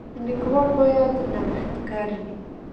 لیکوال باید نوښتګر وي.